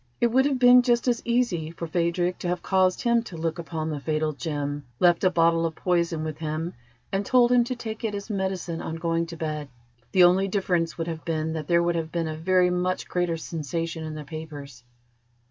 It would have been just as easy for Phadrig to have caused him to look upon the fatal gem, left a bottle of poison with him, and told him to take it as medicine on going to bed. The only difference would have been that there would have been a very much greater sensation in the papers.